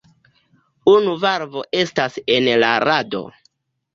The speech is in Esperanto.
Unu valvo estas en la rado.